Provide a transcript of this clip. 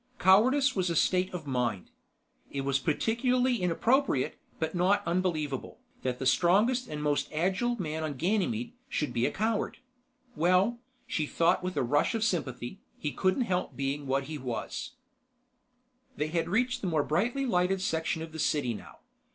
Cowardice was a state of mind. It was peculiarly inappropriate, but not unbelievable, that the strongest and most agile man on Ganymede should be a coward. Well, she thought with a rush of sympathy, he couldn't help being what he was. They had reached the more brightly lighted section of the city now.